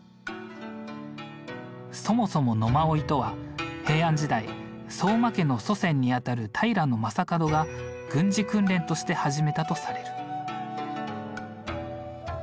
そもそも野馬追とは平安時代相馬家の祖先にあたる平将門が軍事訓練として始めたとされる。